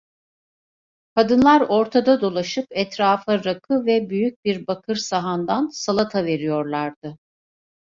Kadınlar ortada dolaşıp etrafa rakı ve büyük bir bakır sahandan salata veriyorlardı.